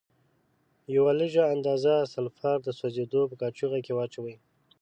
یوه لږه اندازه سلفر د سوځیدو په قاشوغه کې واچوئ.